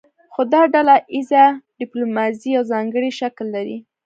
خو دا ډله ایزه ډیپلوماسي یو ځانګړی شکل لري